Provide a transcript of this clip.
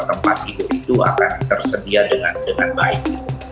tempat tidur itu akan tersedia dengan baik